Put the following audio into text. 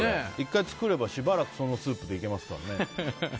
１回作れば、しばらくそのスープでいけますからね。